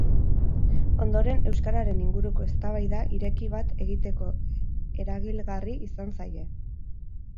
Ondoren, euskararen inguruko eztabaida ireki bat egiteko eragilgarri izan zaie.